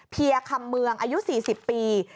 เพียร์คำเมืองอายุ๔๐ปี